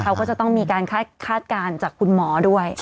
เขาก็จะต้องมีการคาดการณ์จากคุณหมอด้วย